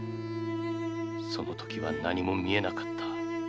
そのときは何も見えなかった。